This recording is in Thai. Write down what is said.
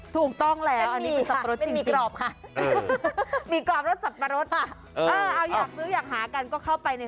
ถูกต้องแล้วเป็นสับปะรสจริงจริงค่ะค่ะค่ะค่ะแล้วอยากซื้ออยากหากันก็เข้าไปใน